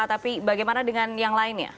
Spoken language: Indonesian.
tapi bagaimana dengan yang lainnya